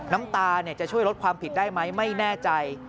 น้ำตาจะช่วยลดความผิดได้ไหมไม่แน่ใจ